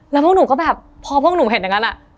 แล้วพวกหนูก็แบบพอพวกหนูเห็นอย่างนั้น